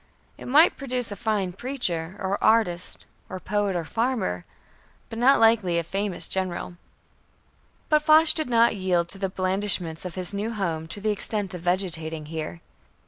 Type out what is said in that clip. It might produce a fine preacher, or artist, or poet, or farmer but not likely a famous general. But Foch did not yield to the blandishments of his new home to the extent of vegetating here.